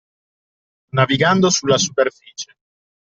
Navigando alla superficie